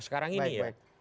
sekarang ini ya